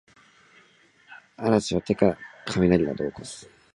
嵐や手からかみなりなどをおこす